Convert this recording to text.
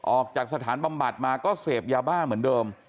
ออกจากสถานบำบัดมาก็เสพยาบ้าเหมือนเดิม